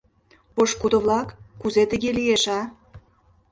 Пошкудо-влак, кузе тыге лиеш, а?